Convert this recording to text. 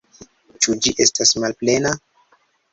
Ĉu ĝi estas malplena?